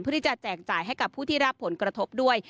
เพื่อที่จะแจงจ่ายให้กับผู้ที่รับผลกระทบด้วย